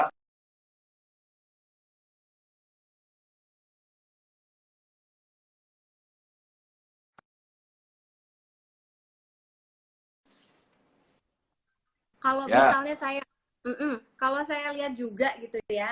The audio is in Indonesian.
kalau misalnya saya kalau saya lihat juga gitu ya